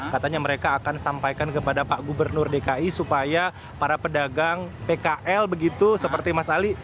katanya mereka akan sampaikan kepada pak gubernur dki supaya para pedagang pkl begitu seperti mas ali